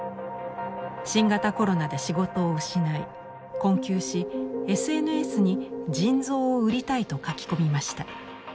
新型コロナで仕事を失い困窮しＳＮＳに「腎臓を売りたい」と書き込みました。